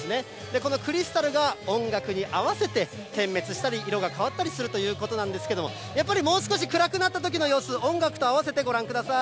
このクリスタルが、音楽に合わせて点滅したり、色が変わったりするということなんですけれども、やっぱりもう少し暗くなったときの様子、音楽とあわせてご覧ください。